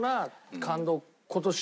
今年。